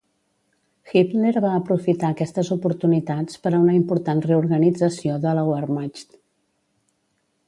Hitler va aprofitar aquestes oportunitats per a una important reorganització de la Wehrmacht